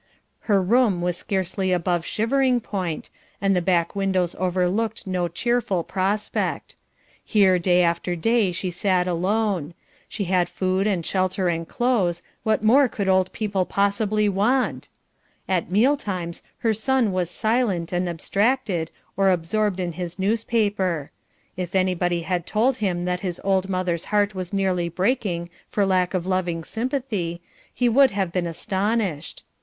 Her room was scarcely above shivering point, and the back windows overlooked no cheerful prospect. Here day after day she sat alone; she had food and shelter and clothes, what more could old people possibly want? At meal times her son was silent and abstracted or absorbed in his newspaper. If anybody had told him that his old mother's heart was nearly breaking for lack of loving sympathy, he would have been astonished.